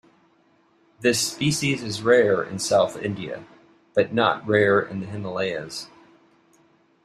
This species is rare in South India but not rare in the Himalayas.